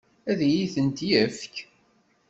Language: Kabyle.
Ad iyi-ten-yefk?